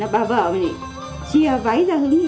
bà vợ này chia váy ra hứng